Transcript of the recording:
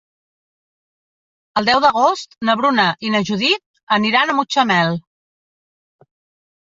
El deu d'agost na Bruna i na Judit aniran a Mutxamel.